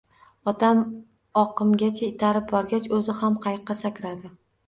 Otam oqimgacha itarib borgach, oʻzi ham qayiqqa sakradi